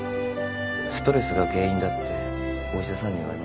ストレスが原因だってお医者さんに言われました。